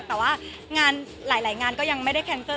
แต่ว่างานหลายงานก็ยังไม่ได้แคนเซิล